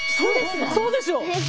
⁉そうでしょ！